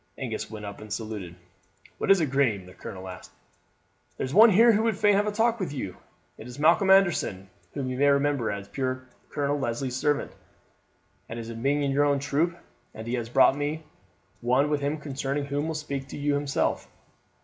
Angus went up and saluted. "What is it, Graeme?" the colonel asked. "There's one here who would fain have a talk with you. It is Malcolm Anderson, whom you may remember as puir Colonel Leslie's servant, and as being in your own troop, and he has brought one with him concerning whom he will speak to you himself."